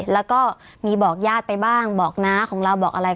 แล้วก็มีบอกญาติไปบ้างบอกน้าของเราบอกอะไร